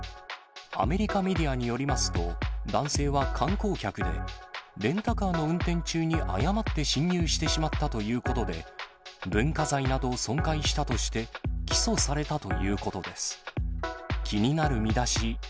アメリカメディアによりますと、男性は観光客で、レンタカーの運転中に誤って侵入してしまったということで、文化財などを損壊したとして、起訴されたということです。